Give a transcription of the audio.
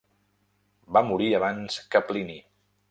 Va morir abans que Plini.